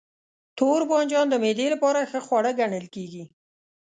توربانجان د معدې لپاره ښه خواړه ګڼل کېږي.